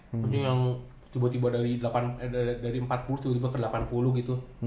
tapi yang tiba tiba dari empat puluh tiba tiba ke delapan puluh gitu